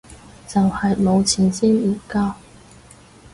就係冇錢先唔交